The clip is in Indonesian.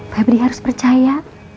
febri harus percaya